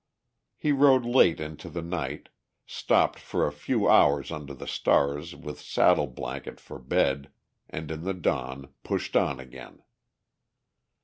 He rode late into the night, stopped for a few hours under the stars with saddle blanket for bed, and in the dawn pushed on again.